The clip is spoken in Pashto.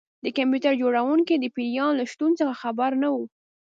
د کمپیوټر جوړونکی د پیریان له شتون څخه خبر نه و